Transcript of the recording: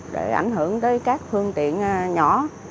để ảnh hưởng tới các thương tiện nhỏ